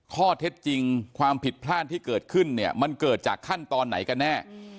ข้อเท็จจริงความผิดพลาดที่เกิดขึ้นเนี่ยมันเกิดจากขั้นตอนไหนกันแน่